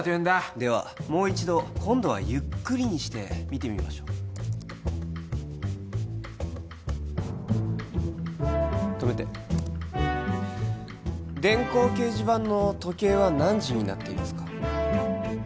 ではもう一度今度はゆっくりにして見てみましょう止めて電光掲示板の時計は何時になっていますか？